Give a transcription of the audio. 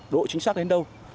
độ chính xác đến đâu